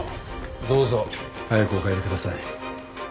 どうぞ早くお帰りください。